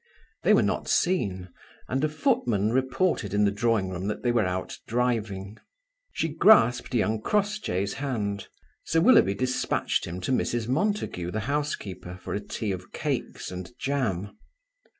They were not seen, and a footman reported in the drawing room that they were out driving. She grasped young Crossjay's hand. Sir Willoughby dispatched him to Mrs. Montague, the housekeeper, for a tea of cakes and jam.